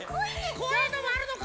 こういうのもあるのか！